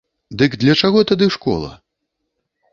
Дык для чаго тады школа?